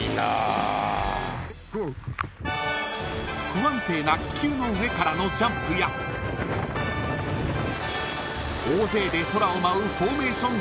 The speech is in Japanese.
［不安定な気球の上からのジャンプや大勢で空を舞うフォーメーション